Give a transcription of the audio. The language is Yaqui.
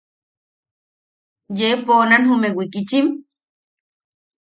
¿Yee poonan jume wikichim?